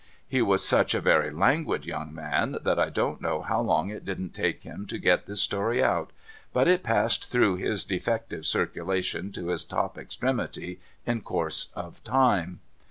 He was such a very languid young man, that I don't know how long it didn't take him to get this story out, but it passed through his defective circulation to his top extremity in course of time.